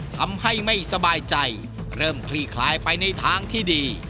ทำให้ไม่สบายใจเริ่มคลี่คลายไปในทางที่ดี